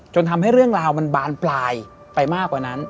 ทำให้เรื่องราวมันบานปลายไปมากกว่านั้น